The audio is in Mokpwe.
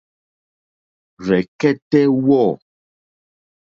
Rzɛ̀kɛ́tɛ́ wɔ̂.